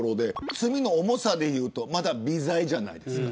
罪の重さでいうと微罪じゃないですか。